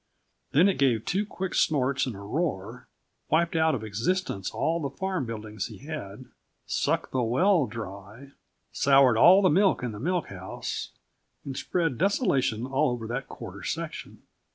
Then it gave two quick snorts and a roar, wiped out of existence all the farm buildings he had, sucked the well dry, soured all the milk in the milk house, and spread desolation all over that quarter section.